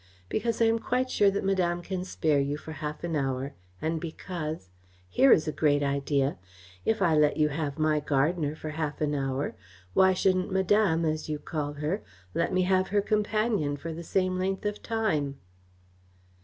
Because I am quite sure that Madame can spare you for half an hour, and because here is a great idea if I let you have my gardener for half an hour, why shouldn't Madame, as you call her, let me have her companion for the same length of time?"